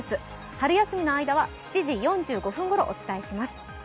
春休みの間は７時４５分ごろお伝えします。